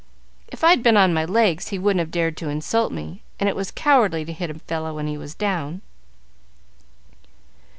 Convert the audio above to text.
"If I'd been on my legs, he wouldn't have dared to insult me, and it was cowardly to hit a fellow when he was down."